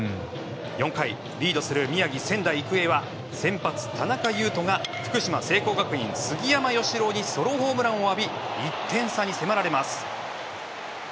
４回、リードする宮城・仙台育英は先発、田中優飛が福島・聖光学院、杉山由朗にソロホームランを浴び１点差に迫られます。